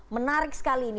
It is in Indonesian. menarik sekali ini